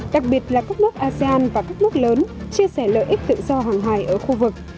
đặc biệt là các nước asean và các nước lớn chia sẻ lợi ích tự do hàng hải ở khu vực